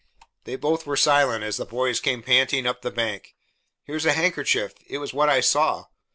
They both were silent as the boys came panting up the bank. "Here's a handkerchief. It was what I saw.